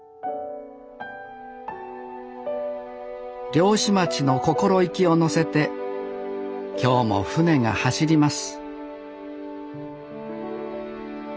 漁師町の心意気をのせて今日も船が走ります